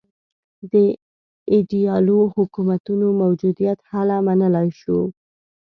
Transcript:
د ایدیالو حکومتونو موجودیت هله منلای شو.